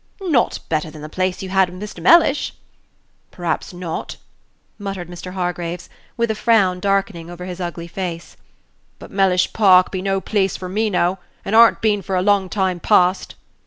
"Not better than the place you had with Mr. Mellish." "Perhaps not," muttered Mr. Hargraves, with a frown darkening over his ugly face; "but Mellish Park be no pleace for me now, and arn't been for a long time past."